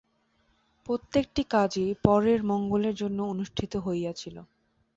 প্রত্যেকটি কাজই পরের মঙ্গলের জন্য অনুষ্ঠিত হইয়াছিল।